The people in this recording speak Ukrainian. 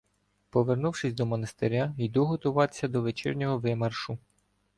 Повернувшись до монастиря, йду готуватися до вечірнього вимаршу.